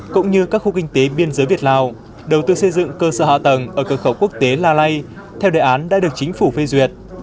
cũng như các khu kinh tế biên giới việt lào đầu tư xây dựng cơ sở hạ tầng ở cơ khẩu quốc tế la lai theo đề án đã được chính phủ phê duyệt